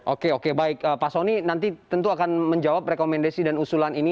oke oke baik pak soni nanti tentu akan menjawab rekomendasi dan usulan ini